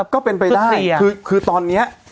ก็เป็นไปได้คือตอนนี้